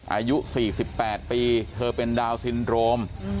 อายุ๔๘ปีเธอเป็นดาวนซินโรม